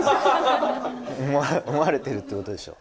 思われてるってことでしょ。